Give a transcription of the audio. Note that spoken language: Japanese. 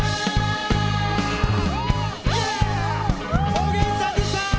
おげんさんでした！